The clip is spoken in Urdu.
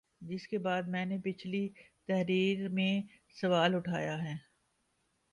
جس کے بعد میں نے پچھلی تحریر میں سوال اٹھایا تھا